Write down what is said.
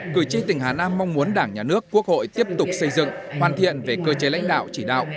cử tri tỉnh hà nam mong muốn đảng nhà nước quốc hội tiếp tục xây dựng hoàn thiện về cơ chế lãnh đạo chỉ đạo